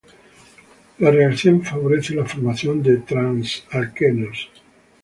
La reacción favorece la formación de trans-alquenos.